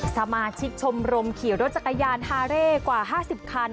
สมาชิกชมรมขี่รถจักรยานฮาเร่กว่า๕๐คัน